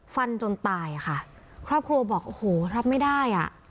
ฟันจนตายอ่ะค่ะครอบครัวบอกโอ้โหรับไม่ได้อ่ะ